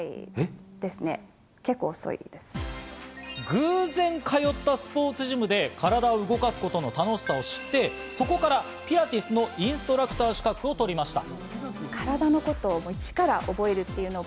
偶然通ったスポーツジムで体を動かすことの楽しさを知って、そこからピラティスのインストラクター資格を取りました。